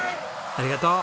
ありがとう。